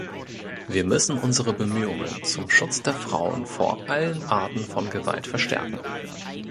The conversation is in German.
Wir müssen unsere Bemühungen zum Schutz der Frauen vor allen Arten von Gewalt verstärken.